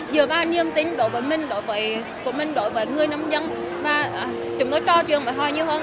giữa ba niềm tin đối với mình đối với người nông dân chúng nó cho chuyện với họ nhiều hơn